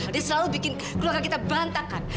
dia selalu bikin keluarga kita berantakan